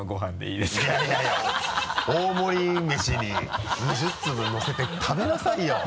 いやいや大盛り飯に２０粒のせて食べなさいよ。